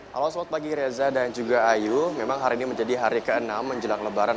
halo selamat pagi reza dan juga ayu memang hari ini menjadi hari ke enam menjelang lebaran